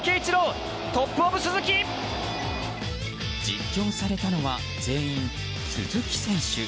実況されたのは全員、鈴木選手。